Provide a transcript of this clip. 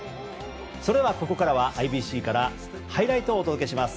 それではここからはＩＢＣからハイライトをお届けします。